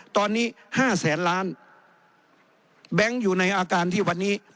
ตอนนี้ห้าแสนล้านแบงค์อยู่ในอาการที่วันนี้